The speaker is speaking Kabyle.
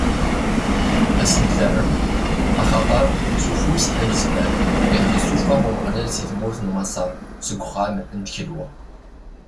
Ad sen-terrem: Axaṭer, s ufus anezmar, i ɣ-d-issufeɣ Umeɣlal si tmurt n Maṣer, seg uxxam n tkelwa.